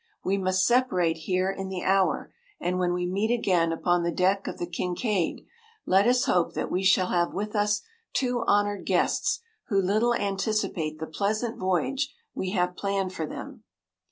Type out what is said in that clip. We must separate here in the hour, and when we meet again upon the deck of the Kincaid, let us hope that we shall have with us two honoured guests who little anticipate the pleasant voyage we have planned for them.